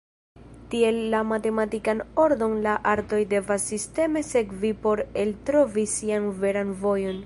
Tiel la matematikan ordon la artoj devas sisteme sekvi por eltrovi sian veran vojon.